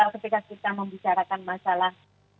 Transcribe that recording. ketika kita membicarakan masalah